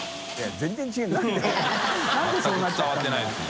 全く伝わってないですね。